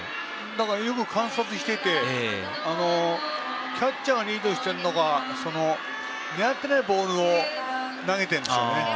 よく観察していてキャッチャーがリードしているのが狙っていないボールを投げているんですよね。